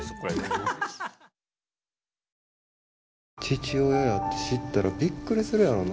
父親やって知ったらびっくりするやろな。